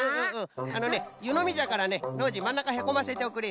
あのねゆのみじゃからねノージーまんなかへこませておくれよ。